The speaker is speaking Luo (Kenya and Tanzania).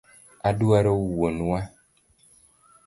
Adwaro wuon wa.